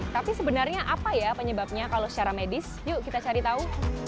tapi sebenarnya apa ya penyebabnya kalau secara medis yuk kita cari tahu